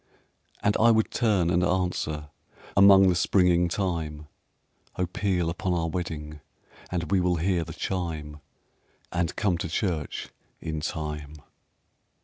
And I would turn and answer Among the springing thyme, "Oh, peal upon our wedding, And we will hear the chime, And come to church in time."